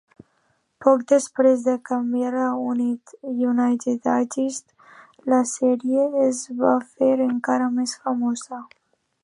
Poc després de canviar a United Artists, la sèrie es va fer encara més famosa.